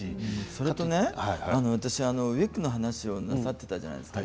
それとね私ウイッグの話をなさっていたじゃないですか。